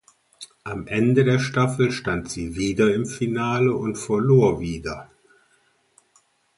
Am Ende der Staffel stand sie wieder im Finale und verlor wieder.